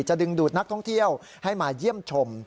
ดึงดูดนักท่องเที่ยวให้มาเยี่ยมชม